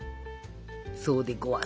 そうでごわす。